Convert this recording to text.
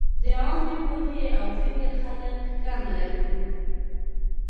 د عامې پوهې او فکر خلک کم لرو.